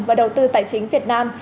và đầu tư tài chính việt nam